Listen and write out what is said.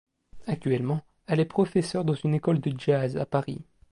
Actuellement, elle est professeur dans une école de jazz à Paris.